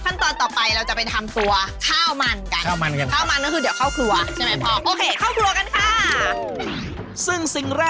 พันตอนต่อไปเราจะไปทำตัวข้าวมันค่ะ